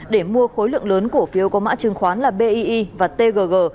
để mua khối lượng lớn cổ phiếu có mã chứng khoán là bi và tgg